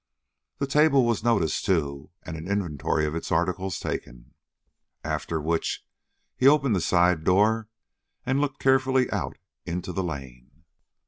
The table was noticed, too, and an inventory of its articles taken, after which he opened the side door and looked carefully out into the lane.